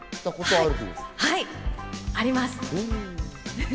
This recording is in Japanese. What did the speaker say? はい、あります。